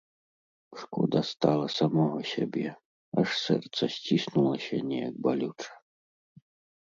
Шкода стала самога сябе, аж сэрца сціснулася неяк балюча.